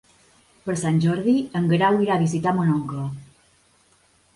Per Sant Jordi en Guerau irà a visitar mon oncle.